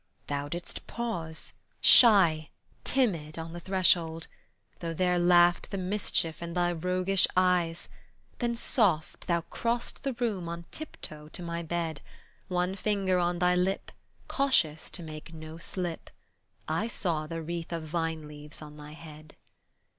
Thou didst pause Shy, timid, on the threshold, though there laughed The mischief in thy roguish eyes, then soft, Thou crosst the room on tiptoe to my bed, One finger on thy lip, Cautious to make no slip, I saw the wreath of vine leaves on thy head.